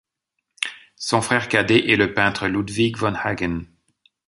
Son frère cadet est le peintre Ludwig von Hagn.